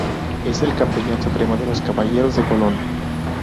Es el Capellán Supremo de los Caballeros de Colón.